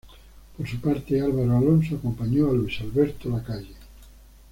Por su parte, Álvaro Alonso acompañó a Luis Alberto Lacalle.